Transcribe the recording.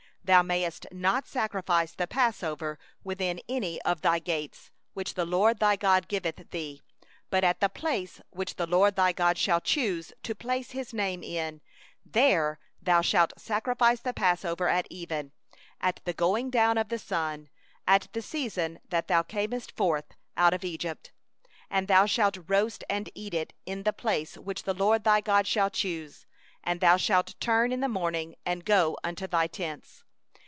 5Thou mayest not sacrifice the passover offering within any of thy gates, which the LORD thy God giveth thee; 6but at the place which the LORD thy God shall choose to cause His name to dwell in, there thou shalt sacrifice the passover offering at even, at the going down of the sun, at the season that thou camest forth out of Egypt. 7And thou shalt roast and eat it in the place which the LORD thy God shall choose; and thou shalt turn in the morning, and go unto thy tents.